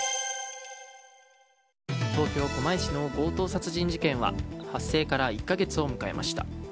東京・狛江市の強盗殺人事件は発生から１か月を迎えました。